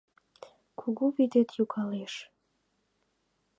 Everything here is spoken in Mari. Кугу вӱдет йогалеш